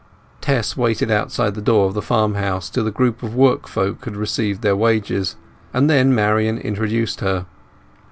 Tess waited outside the door of the farmhouse till the group of workfolk had received their wages, and then Marian introduced her.